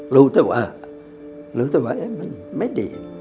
รู้แต่ว่ารู้สึกว่ามันไม่ดี